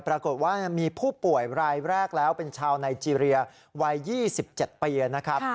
ปรากฏว่ามีผู้ป่วยรายแรกแล้วเป็นชาวไนเจรียวัย๒๗ปีนะครับ